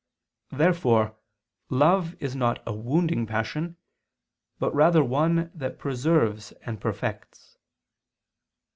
Therefore love is not a wounding passion, but rather one that preserves and perfects.